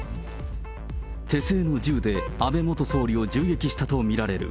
手製の銃で安倍元総理を銃撃したと見られる。